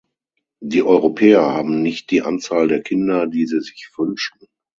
Die Europäer haben nicht die Anzahl der Kinder, die sie sich wünschen.